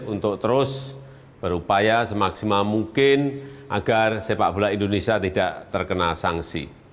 untuk terus berupaya semaksimal mungkin agar sepak bola indonesia tidak terkena sanksi